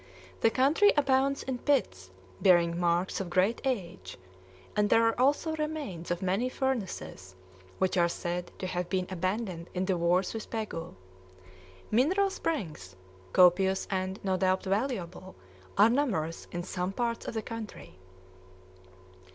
The country abounds in pits, bearing marks of great age; and there are also remains of many furnaces, which are said to have been abandoned in the wars with Pegu. Mineral springs copious and, no doubt, valuable are numerous in some parts of the country.